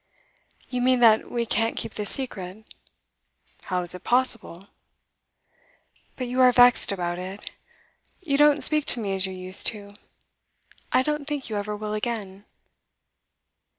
'You mean that we can't keep the secret?' 'How is it possible?' 'But you are vexed about it. You don't speak to me as you used to. I don't think you ever will again.